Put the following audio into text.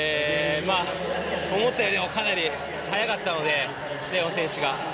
思ったよりもかなり速かったのでレオン選手が。